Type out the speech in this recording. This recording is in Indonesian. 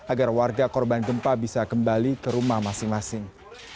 agar warga korban gempa bisa kembali ke rumah masing masing